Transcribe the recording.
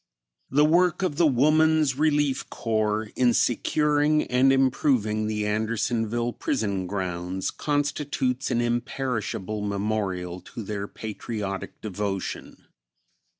The work of the Woman's Relief Corps in securing and improving the Andersonville prison grounds constitutes an imperishable memorial to their patriotic devotion.